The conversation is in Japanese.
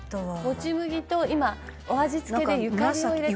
もち麦と今お味付けでゆかりを入れてます。